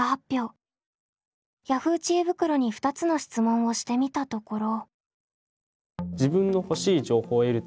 Ｙａｈｏｏ！知恵袋に２つの質問をしてみたところ。